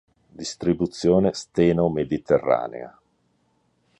Distribuzione: Steno-mediterranea.